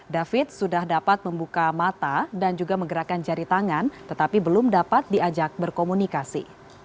david sudah dapat membuka mata dan juga menggerakkan jari tangan tetapi belum dapat diajak berkomunikasi